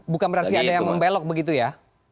bukan berarti ada yang membelok begitu ya